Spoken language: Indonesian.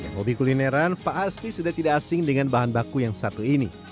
hobi kulineran pasti sudah tidak asing dengan bahan baku yang satu ini